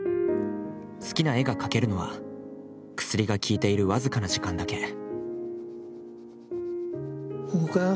好きな絵が描けるのは、薬が効いている僅かな時間だけ。